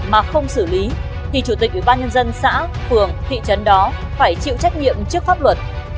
mà không xử lý thì chủ tịch ủy ban nhân dân xã phường thị trấn đó phải chịu trách nhiệm trước pháp luật